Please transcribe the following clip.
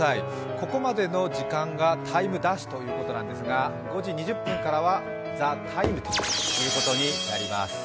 ここまでの時間が「ＴＩＭＥ’」ということなんですが、５時２０分からは「ＴＨＥＴＩＭＥ，」ということになります。